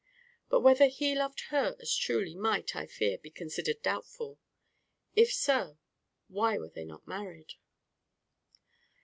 But whether he loved her as truly, might, I fear, be considered doubtful; if so, why were they not married?